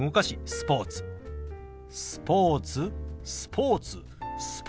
「スポーツ」「スポーツ」「スポーツ」。